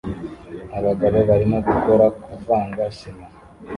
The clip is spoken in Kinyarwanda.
Abagabo barimo gukora kuvanga sima